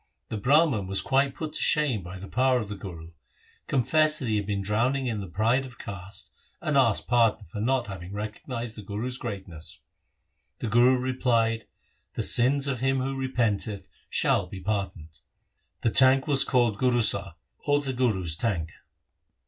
The Brah man was quite put to shame by the power of the Guru, confessed that he had been drowning in the pride of caste, and asked pardon for not having recognized the Guru's greatness. The Guru replied, ' The sins of him who repenteth shall be par doned.' The tank was called Gurusar, or the Guru's tank.